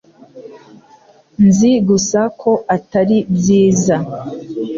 Nzi gusa ko atari byiza